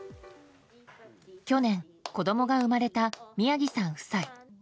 去年、子供が生まれた宮城さん夫妻。